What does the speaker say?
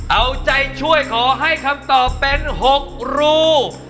เอาใจช่วยขอให้คำตอบเป็น๖รู